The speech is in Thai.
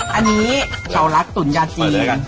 ไปด้วยกัน